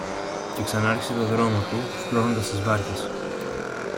Και ξανάρχισε το δρόμο του, σπρώχνοντας τις βάρκες του